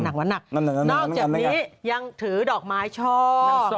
หนักนอกจากนี้ยังถือดอกไม้ช่อ